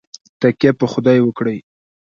تککیه په خدای وکړئ